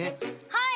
はい！